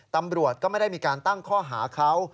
ตำรวจก็ไม่ได้มีการตั้งข้อหาเขา